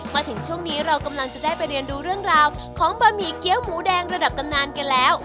มาถึงช่วงนี้เรากำลังจะได้ไปเรียนดูเรื่องราวของบะหมี่เกี้ยวหมูแดงระดับตำนานกันแล้ว